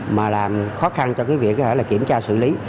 mà làm khó khăn cho cái việc là kiểm tra xử lý